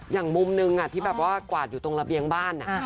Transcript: อย่างมุมหนึ่งที่แบบว่ากวาดอยู่ตรงระเบียงบ้าน